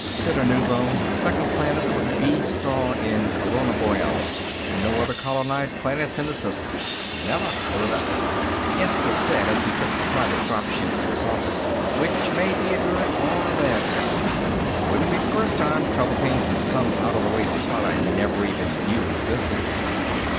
"Cittanuvo. Second planet of a B star in Corona Borealis. No other colonized planets in the system." "Never heard of it," Inskipp said as we took the private drop chute to his office. "Which may be a good or a bad sign. Wouldn't be the first time trouble came from some out of the way spot I never even knew existed."